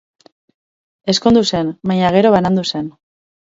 Ezkondu zen, baina gero banandu zen.